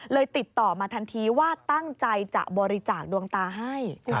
ติดต่อมาทันทีว่าตั้งใจจะบริจาคดวงตาให้